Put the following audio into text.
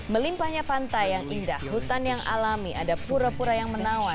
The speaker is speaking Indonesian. melimpahnya pantai yang indah hutan yang alami ada pura pura yang menawan